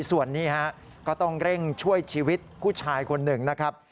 ส่วนนี้ฮะก็ต้องเร่งช่วยชีวิตผู้ชายคนหนึ่งนะครับ